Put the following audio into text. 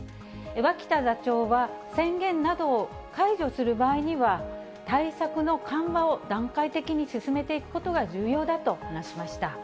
脇田座長は、宣言などを解除する場合には、対策の緩和を段階的に進めていくことが重要だと話しました。